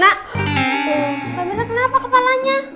mbak mirna kenapa kepalanya